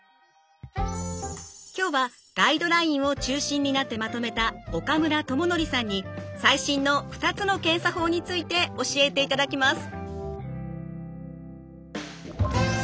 今日はガイドラインを中心になってまとめた岡村智教さんに最新の２つの検査法について教えていただきます。